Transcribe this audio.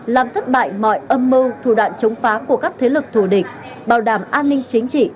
làm thất bại mọi âm mưu thủ đoạn chống phá của các thế lực thù địch bảo đảm an ninh chính trị